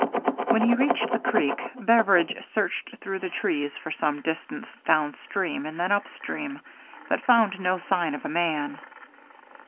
When he reached the creek, Beveridge searched through the trees for some distance down stream and then up stream, but found no sign of a man.